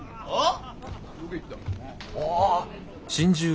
ああ。